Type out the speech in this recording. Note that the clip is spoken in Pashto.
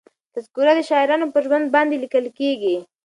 تذکره د شاعرانو پر ژوند باندي لیکل کېږي.